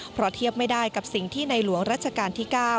เพราะเทียบไม่ได้กับสิ่งที่ในหลวงรัชกาลที่๙